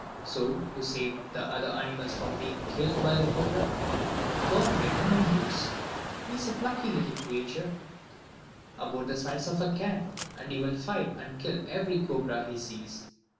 So, to save the other animals from being killed by the cobra, God made the mongoose. He is a plucky little creature, about the size of a cat. And he will fight and kill every cobra he sees!